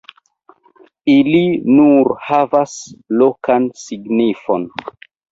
Ili nur havas lokan signifon.